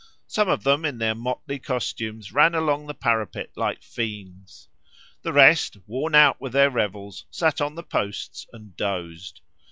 Some of them in their motley costumes ran along the parapet like fiends. The rest, worn out with their revels, sat on the posts and dozed.